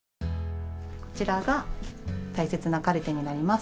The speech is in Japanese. こちらが大切なカルテになります。